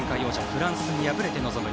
フランスに敗れて臨む